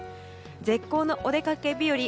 絶好のお出かけ日和